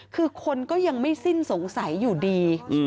คือคนก็ยังไม่สิ้นสงสัยอยู่ดี